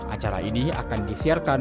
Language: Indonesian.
acara ini akan disiarkan